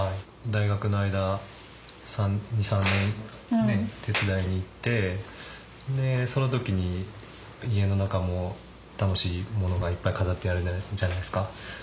大学の間２３年ね手伝いに行ってその時に家の中も楽しいものがいっぱい飾ってあるじゃないですか。